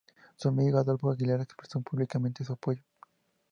Su amigo Adolfo Aguilar, expresó públicamente su apoyo.